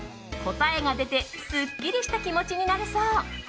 答えが出てすっきりした気持ちになれそう。